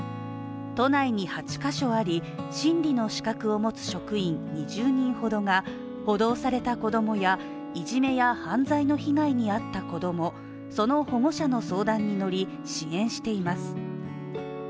都内に８か所あり、心理の資格を持つ職員２０人ほどが補導された子供や、いじめや犯罪の被害に遭った子供その保護者の相談に乗り、支援しています。